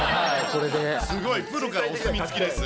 すごい、プロからお墨付きです。